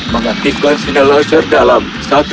mengaktifkan sinar laser dalam satu dua tiga